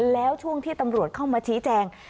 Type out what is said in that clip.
แล้วช่วงที่ตำรวจเข้ามาชี้แจง